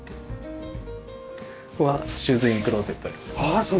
ここはシューズインクローゼットになります。